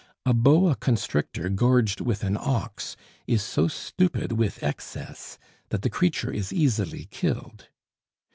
A boa constrictor gorged with an ox is so stupid with excess that the creature is easily killed.